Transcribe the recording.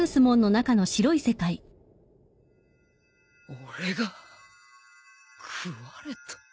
俺が食われた！？